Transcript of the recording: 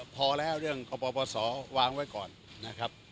พอแล้วเรื่องข้อประสอบวางไว้ก่อนนะครับ